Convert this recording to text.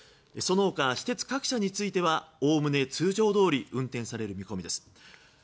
その他、私鉄各社についてはおおむね通常どおり運転される見込みです。